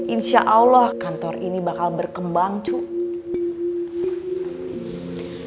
insya allah kantor ini bakal berkembang cuk